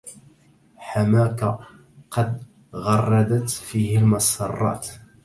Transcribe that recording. حماك قد غردت فيه المسرات